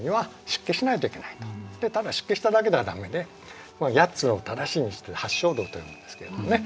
ただ出家しただけでは駄目で八つの正しい道で八正道と読むんですけどね